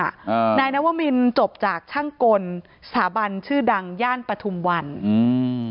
อ่านายนวมินจบจากช่างกลสถาบันชื่อดังย่านปฐุมวันอืม